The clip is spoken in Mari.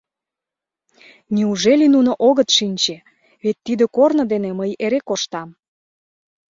Неужели нуно огыт шинче, вет тиде корно дене мый эре коштам.